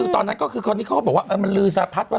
คือตอนนั้นก็คือคนที่เขาก็บอกว่ามันลือสะพัดว่า